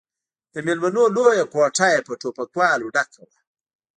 د ميلمنو لويه کوټه يې په ټوپکوالو ډکه وه.